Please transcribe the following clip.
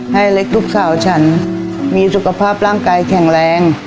ให้เล็กลูกสาวฉันมีสุขภาพร่างกายแข็งแรง